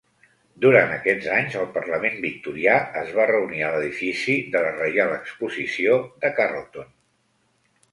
Durant aquests anys, el Parlament victorià es va reunir a l'edifici de la Reial Exposició de Carlton.